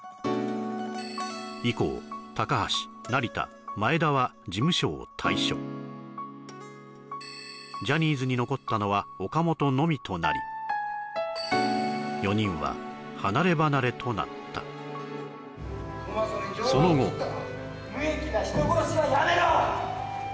以降高橋成田前田は事務所を退所ジャニーズに残ったのは岡本のみとなり４人は離れ離れとなったその後無益な人殺しはやめろ